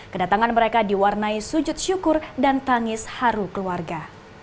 kedatangan mereka diwarnai sujud syukur dan tangis haru keluarga